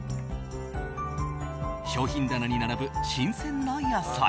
商品棚に並ぶ新鮮な野菜。